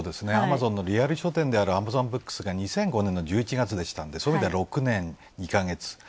アマゾンのリアル書店であるアマゾン・ブックスが２００５年の１１月でしたんで、６年２か月。